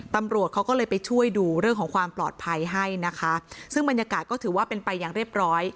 ตำรวจเขาก็เลยไปช่วยดูเรื่องของความปลอดภัยให้นะคะซึ่งบรรยากาศก็ถือว่าเป็นไปอย่างเรียบร้อย